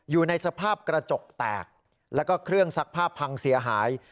อยู่ในสภาพกระจกแตกแล้วก็เครื่องซักผ้าพังเสียหาย